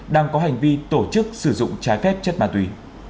đang có hành vi tổ chức sử dụng trái phép chất ma túy